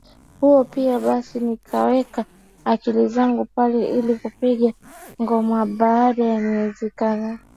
huo pia basi nikaweka akili zangu pale ili kupiga ngomaBaada ya miezi kadhaa